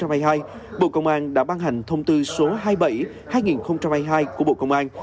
trong năm hai nghìn hai mươi hai bộ công an đã ban hành thông tư số hai mươi bảy hai nghìn hai mươi hai của bộ công an